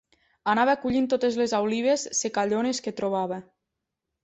Anava collint totes les olives secallones que trobava.